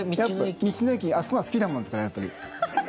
道の駅あそこが好きなもんですからやっぱり。